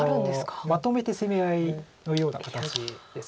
まとめて攻め合いのような形です。